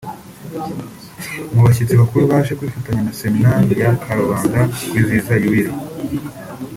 Mu bashyitsi bakuru baje kwifatanya na Seminari ya Karubanda kwizihiza Yubile